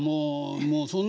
もうそんなん。